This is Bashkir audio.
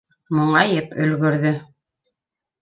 Моңайып өлгөрҙө.